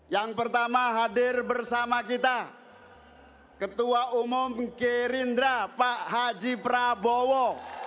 yang pertama hadir bersama kita ketua umum gerindra pak haji prabowo